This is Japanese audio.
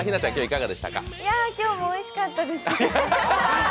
今日もおいしかったです。